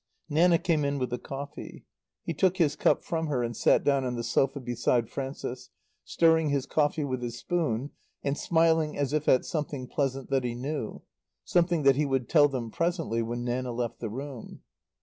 Nanna came in with the coffee. He took his cup from her and sat down on the sofa beside Frances, stirring his coffee with his spoon, and smiling as if at something pleasant that he knew, something that he would tell them presently when Nanna left the room.